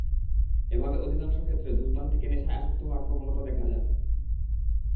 এভাবে অধিকাংশ ক্ষেত্রে ধূমপান থেকে নেশায় আসক্ত হওয়ার প্রবণতা দেখা যায়।